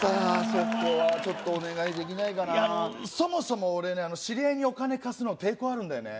そこはちょっとお願いできないかなそもそも俺ね知り合いにお金貸すの抵抗あるんだよね